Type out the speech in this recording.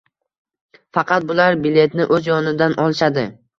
Faqat bular biletni oʻz yonidan olishadi.